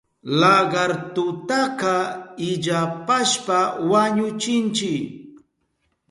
Lagartutaka illapashpa wañuchinchi.